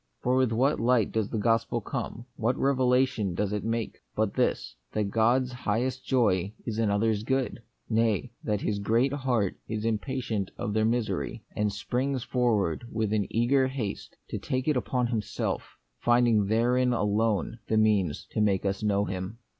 For with what light does the gospel come, what revelation does it make, but this, that God's highest joy is in others' good ? nay, that His great heart is impatient of their misery, and springs forward with an eager haste to take it on Himself, finding therein alone the means to make us know Him.